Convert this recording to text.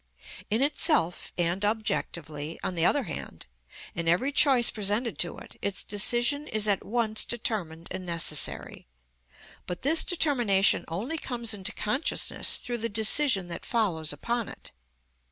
In itself and objectively, on the other hand, in every choice presented to it, its decision is at once determined and necessary. But this determination only comes into consciousness through the decision that follows upon it.